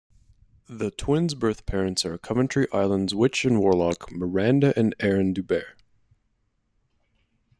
The twins' birth parents are Coventry Island's witch and warlock, Miranda and Aron DuBaer.